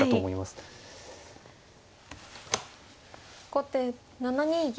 後手７二銀。